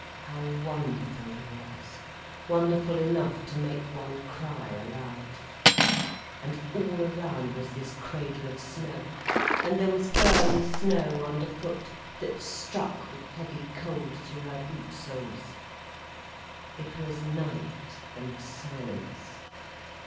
How wonderful he was, wonderful enough to make one cry aloud. And all around was this cradle of snow, and there was firm snow underfoot, that struck with heavy cold through her boot soles. It was night, and silence.